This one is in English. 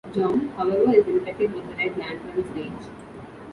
John, however, is infected with the Red Lanterns' rage.